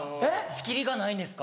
仕切りがないんですか？